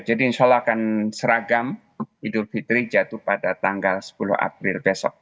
jadi insya allah akan seragam idul fitri jatuh pada tanggal sepuluh april besok